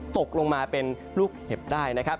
ตกลงมาเป็นลูกเห็บได้นะครับ